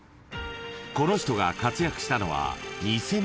［この人が活躍したのは］